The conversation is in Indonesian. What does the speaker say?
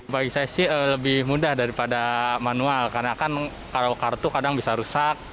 bagi saya sih lebih mudah daripada manual karena kan kalau kartu kadang bisa rusak